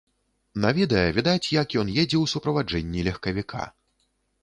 На відэа відаць, як ён едзе ў суправаджэнні легкавіка.